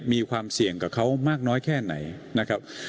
มีความเสี่ยงกับเขามากน้อยแค่ไหนนะครับ